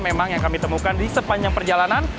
memang yang kami temukan di sepanjang perjalanan